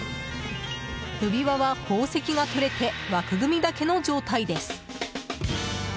指輪は宝石が取れて枠組みだけの状態です。